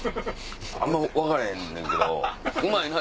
あんま分からへんねんけどうまいな。